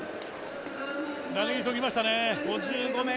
投げ急ぎましたね。